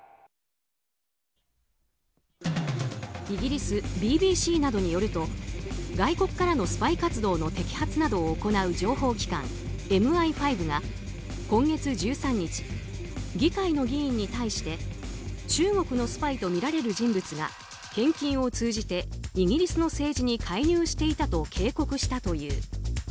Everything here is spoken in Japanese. イギリスＢＢＣなどによると外国からのスパイ活動の摘発などを行う情報機関ＭＩ５が今月１３日、議会の議員に対して中国のスパイとみられる人物が献金を通じてイギリスの政治に介入していたと警告したという。